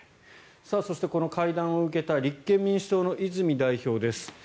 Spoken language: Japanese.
そして、この会談を受けた立憲民主党の泉代表です。